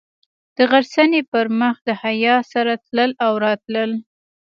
د غرڅنۍ پر مخ د حیا سره تلل او راتلل.